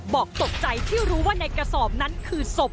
บอกตกใจที่รู้ว่าในกระสอบนั้นคือศพ